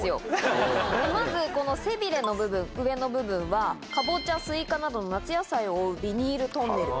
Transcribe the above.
まずこの背びれの部分上の部分はカボチャスイカなどの夏野菜を覆うビニールトンネル。